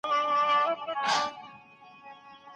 نوښت ستاسو د کار د پیاوړتیا نښه ده.